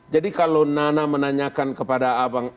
jadi kalau nana menanyakan kepada abang